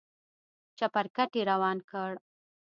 چپرکټ يې روان کړ.